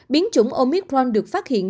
biến chủng omicron được phát hiện